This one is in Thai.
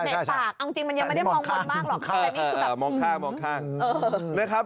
ใช่ใช่เอาจริงมันยังไม่ได้มองบนบ้างหรอกมองข้างมองข้างนะครับ